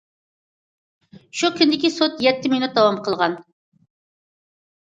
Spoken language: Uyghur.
شۇ كۈندىكى سوت يەتتە مىنۇت داۋام قىلغان.